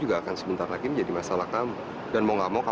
sekalipun dokter bagi mereka masalahkan diriku